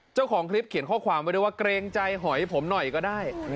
เจ้าของคลิปเขียนข้อความไว้ด้วยว่าเกรงใจหอยผมหน่อยก็ได้